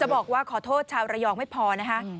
บอกว่าขอโทษชาวระยองไม่พอนะคะ